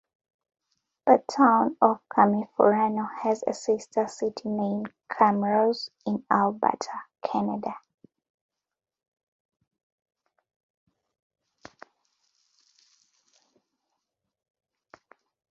The town of Kamifurano has a sister city named Camrose in Alberta, Canada.